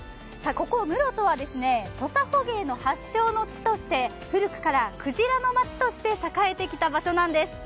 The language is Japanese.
ここ室戸は、土佐捕鯨の発祥の地として、古くからくじらの町として栄えてきたところです。